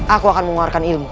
aku akan mengeluarkan ilmu